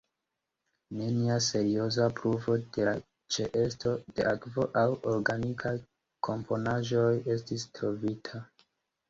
Nenia serioza pruvo de la ĉeesto de akvo aŭ organikaj komponaĵoj estis trovita.